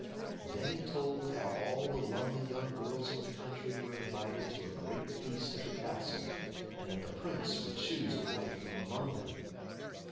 Then he told how all the lovely young girls in the country were invited to a great feast at the castle, and that the prince would choose a wife from among them.